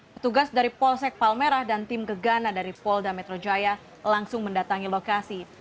petugas dari polsek palmerah dan tim gegana dari polda metro jaya langsung mendatangi lokasi